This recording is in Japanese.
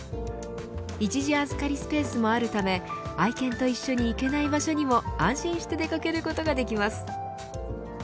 一時預かりスペースもあるため愛犬と一緒に行けない場所にも安心して出掛けることができます。